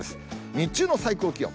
日中の最高気温。